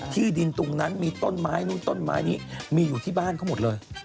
ที่ดินตรงนั้นมีต้นไม้นู้นต้นไม้นี้มีอยู่ที่บ้านเขาหมดเลย